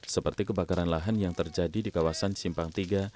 seperti kebakaran lahan yang terjadi di kawasan simpang tiga